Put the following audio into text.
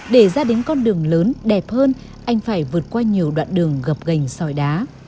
để ra đến con đường lớn đẹp hơn anh phải vượt qua nhiều đoạn đường gập gành sỏi đá